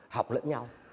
học lẫn nhau